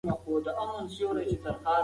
د کابل پخوانی حکومت په اداري فساد کې ډوب و.